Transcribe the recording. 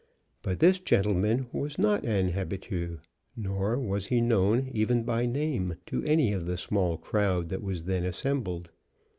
But this gentleman was not an habitué, nor was he known even by name to any of the small crowd that was then assembled.